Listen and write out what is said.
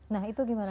nah itu gimana